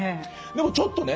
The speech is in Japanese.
でもちょっとね